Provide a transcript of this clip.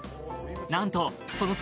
なんとその差